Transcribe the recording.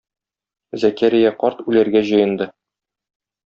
Зәкәрия карт үләргә җыенды.